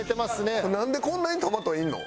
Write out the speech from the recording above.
なんでこんなにトマトいるの？